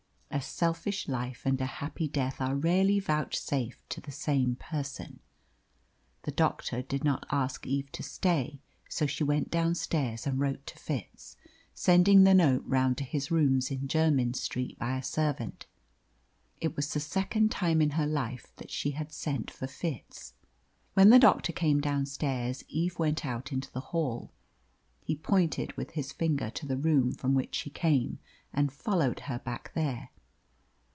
A selfish life and a happy death are rarely vouchsafed to the same person. The doctor did not ask Eve to stay, so she went downstairs and wrote to Fitz, sending the note round to his rooms in Jermyn Street by a servant. It was the second time in her life that she had sent for Fitz. When the doctor came downstairs, Eve went out into the hall. He pointed with his finger to the room from which she came, and followed her back there.